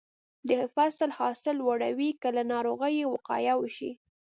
د فصل حاصل لوړوي که له ناروغیو وقایه وشي.